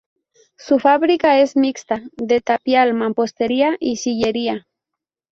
Su fabrica es mixta, de tapial, mampostería y sillería.